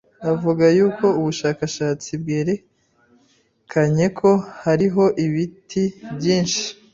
Avuga y'uko ubushakashatsi bwerekanye ko hariho ibiti byinshi